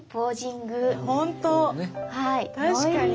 確かに。